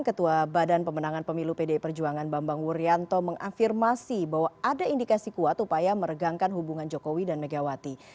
ketua badan pemenangan pemilu pdi perjuangan bambang wuryanto mengafirmasi bahwa ada indikasi kuat upaya meregangkan hubungan jokowi dan megawati